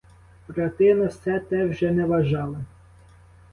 Брати на все те вже не вважали.